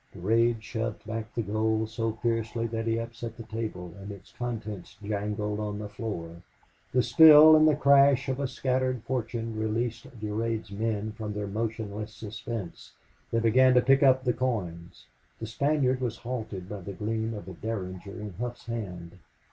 Durade shoved back the gold so fiercely that he upset the table, and its contents jangled on the floor. The spill and the crash of a scattered fortune released Durade's men from their motionless suspense. They began to pick up the coins. The Spaniard was halted by the gleam of a derringer in Hough's hand.